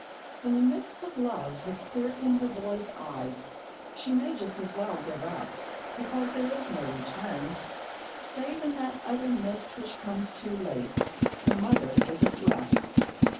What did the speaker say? When the mists of love have cleared from her boy's eyes, she may just as well give up, because there is no return, save in that other mist which comes too late, when mother is at rest.